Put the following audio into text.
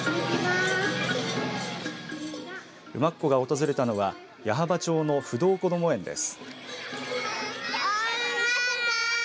馬コが訪れたのは矢巾町のふどうこども園です。